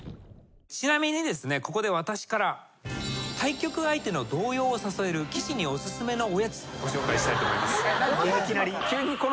ちなみにここで私から対局相手の動揺を誘える棋士にお薦めのおやつご紹介したいと思います。